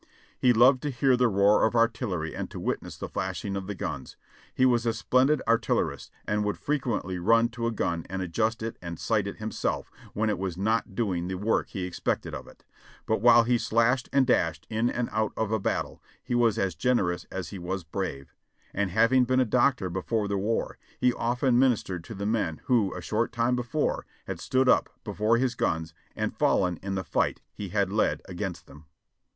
He loved to hear the roar of artillery and to witness the flashing of the guns ; he was a splendid artillerist and would frequently run to a gun and adjust it and sight it him self when it was not doing the work he expected of it, but while he 'slashed and dashed' in and out of a battle he was as generous as he was brave, and having been a doctor before the war he often ministered to the men who a short time before had stood up before his guns and fallen in the fight he had led against them."